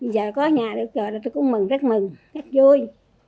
giờ có nhà được rồi là tôi cũng mừng rất mừng rất vui